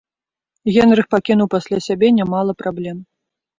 Генрых пакінуў пасля сябе нямала праблем.